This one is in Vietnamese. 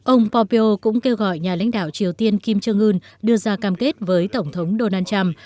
ông pompeo cũng kêu gọi nhà lãnh đạo triều tiên kim trương ưn đưa ra cam kết với tổng thống donald trump